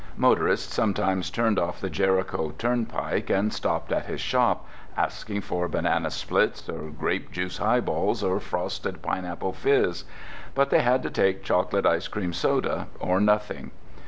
Motorists sometimes turned off the Jericho turnpike and stopped at his shop asking for banana splits or grape juice highballs, or frosted pineapple fizz. But they had to take chocolate ice cream soda or nothing.